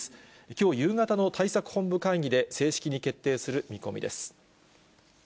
きょう夕方の対策本部会議で正式に決定する見込みです。